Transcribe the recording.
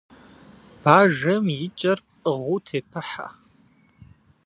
Бажэм и кӏэр пӏыгъыу тепыхьэ.